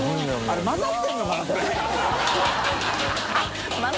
あれ混ざってるのかな？